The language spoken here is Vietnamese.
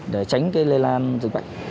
để tránh lây lan dừng bệnh